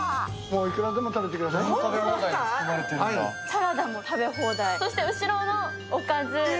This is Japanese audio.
サラダも食べ放題、そして後ろのおかず。